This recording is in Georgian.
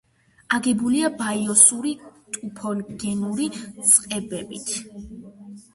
აგებულია ბაიოსური ტუფოგენური წყებებით.